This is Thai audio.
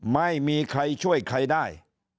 ไม่มีใครช่วยใครได้